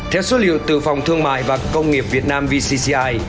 theo số liệu từ phòng thương mại và công nghiệp việt nam vcci